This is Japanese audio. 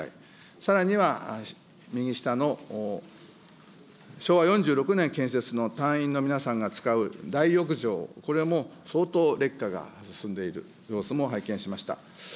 さらには右下の、昭和４６年建設の隊員の皆さんが使う大浴場、これも相当劣化が進んでいる様子も拝見しました。